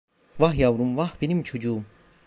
Vah yavrum, vah benim çocuğum…